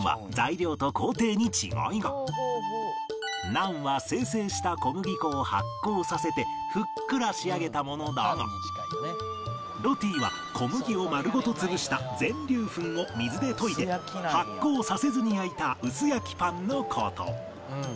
ナンは精製した小麦粉を発酵させてふっくら仕上げたものだがロティは小麦を丸ごと潰した全粒粉を水で溶いて発酵させずに焼いた薄焼きパンの事